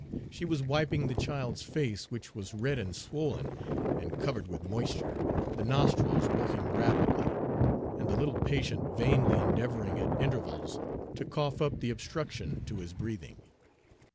She was wiping the child's face, which was red and swollen and covered with moisture, the nostrils working rapidly, and the little patient vainly endeavoring at intervals to cough up the obstruction to his breathing.